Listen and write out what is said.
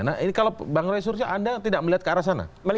nah ini kalau bang rey suryo anda tidak melihat ke arah sana